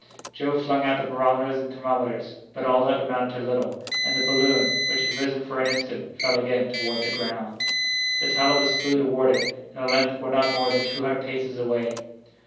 Joe flung out the barometers and thermometers, but all that amounted to little; and the balloon, which had risen for an instant, fell again toward the ground. The Talabas flew toward it, and at length were not more than two hundred paces away.